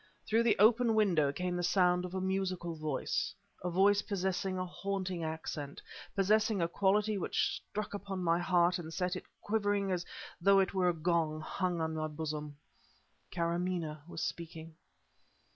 Through the open window came the sound of a musical voice a voice possessing a haunting accent, possessing a quality which struck upon my heart and set it quivering as though it were a gong hung in my bosom. Karamaneh was speaking.